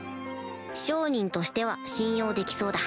商人としては信用できそうだ